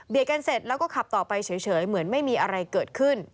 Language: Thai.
กันเสร็จแล้วก็ขับต่อไปเฉยเหมือนไม่มีอะไรเกิดขึ้น